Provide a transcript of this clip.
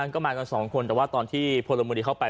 ก็มากันสองคนแต่ว่าตอนที่พลเมืองดีเข้าไป